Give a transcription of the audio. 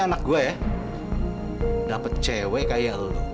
lalu udah pergi